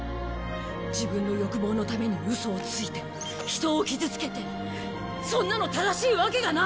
自分の欲望のためにウソをついて人を傷つけてそんなの正しいわけがない！